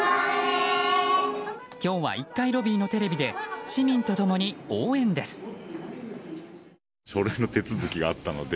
今日は１階ロビーのテレビで市民と共に応援です。